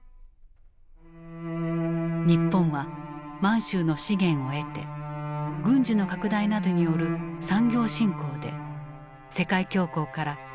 日本は満州の資源を得て軍需の拡大などによる産業振興で世界恐慌からいち早く抜け出す。